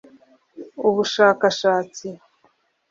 ubushakashatsi